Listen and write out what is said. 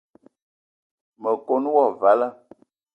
Me kon wo vala